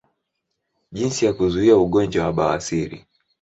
Jinsi ya kuzuia ugonjwa wa bawasiri